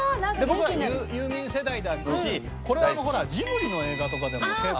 僕はユーミン世代だったしこれほらジブリの映画とかでも結構。